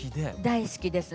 大好きです。